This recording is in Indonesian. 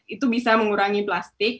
itu bisa mengurangi plastik